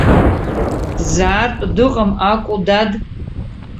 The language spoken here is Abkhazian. Дзаартә дыҟам акәу, дад?